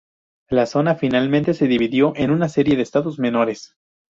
La zona finalmente se dividió en una serie de Estados menores.